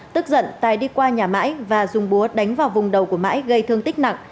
tức giận tài đi qua nhà mãi và dùng búa đánh vào vùng đầu của mãi gây thương tích nặng